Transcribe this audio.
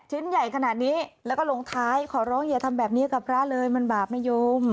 ชิ้นใหญ่ขนาดนี้แล้วก็ลงท้ายขอร้องเยี่ยทำแบบนี้กับพระเลย